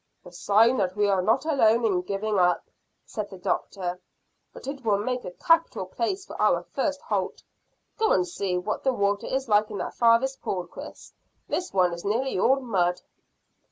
"A sign that we are not alone in giving up," said the doctor; "but it will make a capital place for our first halt. Go and see what the water is like in that farthest pool, Chris. This one is nearly all mud."